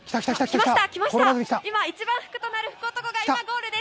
今一番福となる男性がゴールです。